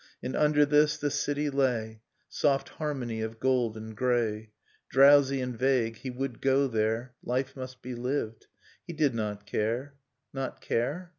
And under this the city lay, Soft harmony of gold and grey, — Drowsy and vague ... He would go there Life must be lived ... He did not care . Not care?